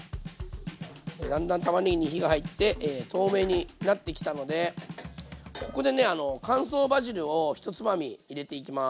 だんだんたまねぎに火が入って透明になってきたのでここでね乾燥バジルを１つまみ入れていきます。